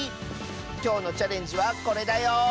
きょうのチャレンジはこれだよ！